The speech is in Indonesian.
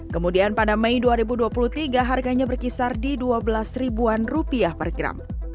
kemudian pada mei dua ribu dua puluh tiga harganya berkisar di rp dua belas ribuan rupiah per gram